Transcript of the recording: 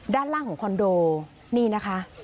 ด้านล่างของคอนโด